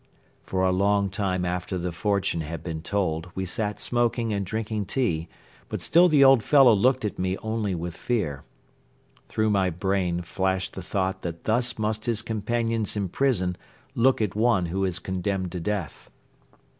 For a long time after the fortune had been told we sat smoking and drinking tea but still the old fellow looked at me only with fear. Through my brain flashed the thought that thus must his companions in prison look at one who is condemned to death.